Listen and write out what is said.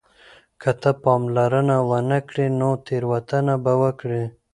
که ته پاملرنه ونه کړې نو تېروتنه به وکړې.